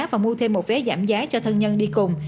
và mua thêm một vé giảm giá cho thân nhân đi cùng